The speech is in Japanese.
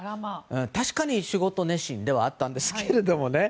確かに仕事熱心ではあったんですけれどもね。